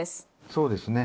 そうですね。